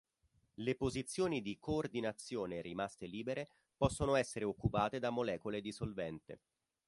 Le posizioni di coordinazione rimaste libere possono essere occupate da molecole di solvente.